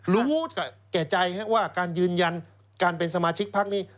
รู้แก่ใจว่าการยืนยันการเป็นสมาชิกพักนี้